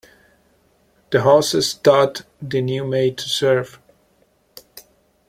The hostess taught the new maid to serve.